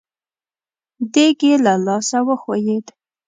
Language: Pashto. دېګ يې له لاسه وښوېد.